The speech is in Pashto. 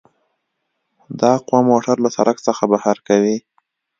دا قوه موټر له سرک څخه بهر کوي